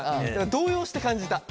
動揺して感じた。